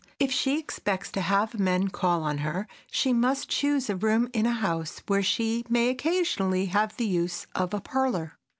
If she expects to have men call on her, she must choose a room in a house where she may occasionally have the use of a parlor.